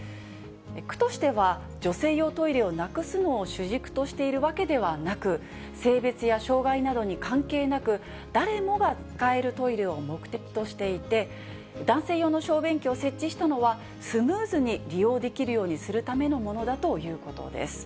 区としては、女性用トイレをなくすのを主軸としているわけではなく、性別や障がいなどに関係なく、誰もが使えるトイレを目的としていて、男性用の小便器を設置したのは、スムーズに利用できるようにするためのものだということです。